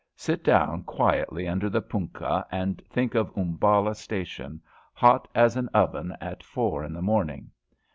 Sit down quietly under the punkah and think of Umballa station, hot as an oven at four in the morning.